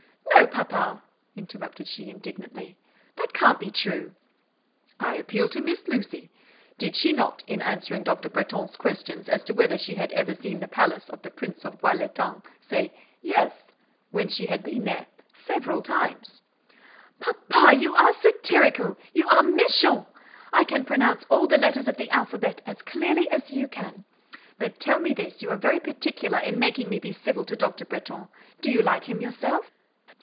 "No, papa," interrupted she indignantly, "that can't be true." "I appeal to Miss Lucy. Did she not, in answering Dr. Bretton's question as to whether she had ever seen the palace of the Prince of Bois l'Etang, say, 'yeth,' she had been there 'theveral' times?" "Papa, you are satirical, you are méchant! I can pronounce all the letters of the alphabet as clearly as you can. But tell me this you are very particular in making me be civil to Dr. Bretton, do you like him yourself?"